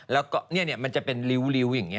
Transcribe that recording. แล้วก็เนี่ยเนี่ยมันจะเป็นลิ้วอย่างนี้